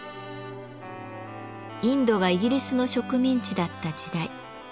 インドがイギリスの植民地だった時代。